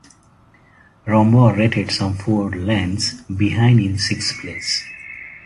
Rombauer rated some four lengths behind in sixth place.